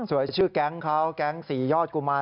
ชื่อแก๊งเขาแก๊งสี่ยอดกุมาร